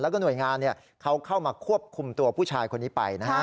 แล้วก็หน่วยงานเขาเข้ามาควบคุมตัวผู้ชายคนนี้ไปนะฮะ